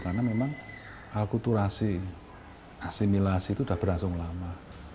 karena memang akulturasi asimilasi itu sudah berasal lama